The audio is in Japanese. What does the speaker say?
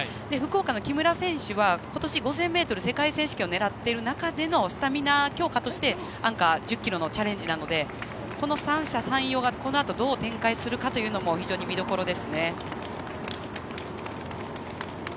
福岡の木村選手はことし５０００ｍ世界選手権を狙ってスタミナ強化している最中のアンカー、１０ｋｍのチャレンジなのでこの三者三様がこのあとどう展開するかというのも非常に見どころですね。